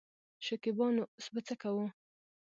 شکيبا : نو اوس به څه کوو.